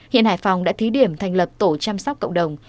hiện hải phòng đã thí điểm thành lập tổ chăm sóc cộng đồng